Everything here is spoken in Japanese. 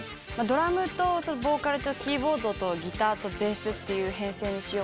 ドラムとボーカルとキーボードとギターとベースっていう編成。